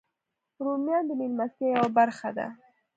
رومیان د میلمستیا یوه برخه ده